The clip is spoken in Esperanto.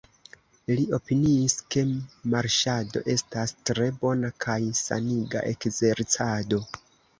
Li opiniis, ke marŝado estas tre bona kaj saniga ekzercado.